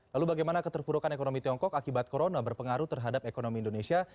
lalu bagaimana keterpurukan ekonomi tiongkok akibat corona berpengaruh terhadap ekonomi indonesia